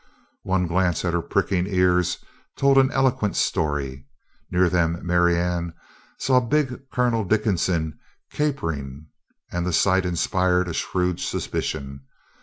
One glance at her pricking ears told an eloquent story. Near them Marianne saw big Colonel Dickinson capering. And the sight inspired a shrewd suspicion.